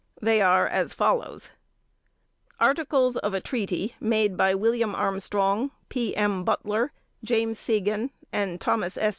They are as follows: "Articles of a Treaty made by Wm. Armstrong, P. M. Butler, James Segan and Thomas S.